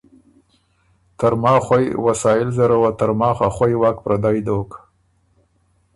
ترماخ خوئ وسائل زره وه ترماخ ا خوئ وک پردئ دوک۔